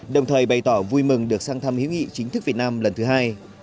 đồng thời bày tỏ vui mừng được sang thăm hữu nghị chính thức việt nam lần thứ hai